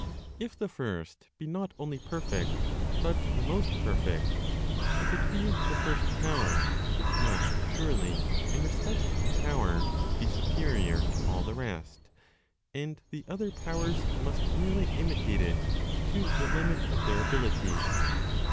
If the First be not only perfect, but the most perfect, if it be the first Power, it must surely, in respect to power, be superior to all the rest, and the other powers must merely imitate it to the limit of their ability.